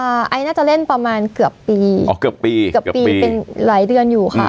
อ่าไอ้น่าจะเล่นประมาณเกือบปีเกือบปีเป็นหลายเดือนอยู่ค่ะ